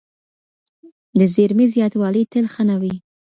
د زیرمې زیاتوالی تل ښه نه وي.